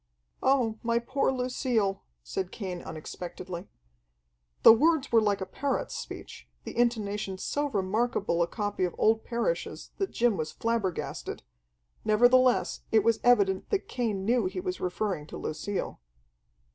"Oh my poor Lucille!" said Cain unexpectedly. The words were like a parrot's speech, the intonation so remarkable a copy of old Parrish's that Jim was flabbergasted. Nevertheless it was evident that Cain knew he was referring to Lucille.